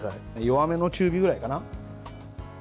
弱めの中火くらいかな。